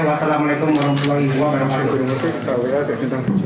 wa'alaikumsalam warahmatullahi wabarakatuh